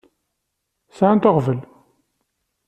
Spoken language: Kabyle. Sɛant aɣbel.